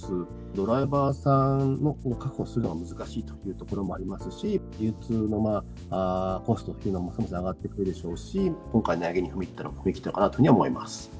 ドライバーさんを確保するのが難しいというところもありますし、流通のコストっていうのも上がってくるでしょうし、今回、値上げに踏み切ったのかなというふうには思います。